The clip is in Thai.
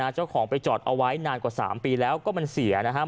เจ้าของไปจอดเอาไว้นานกว่า๓ปีแล้วก็มันเสียนะครับ